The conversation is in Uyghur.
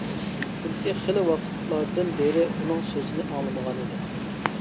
چۈنكى خېلى ۋاقىتلاردىن بېرى ئۇنىڭ سۆزىنى ئاڭلىمىغانىدى.